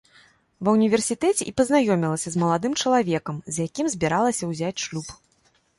Ва ўніверсітэце і пазнаёмілася з маладым чалавекам, з якім збіралася ўзяць шлюб.